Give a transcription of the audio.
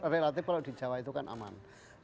relatif kalau di jawa itu kan aman